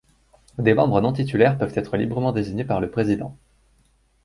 Des membres non titulaires peuvent être librement désignés par le président.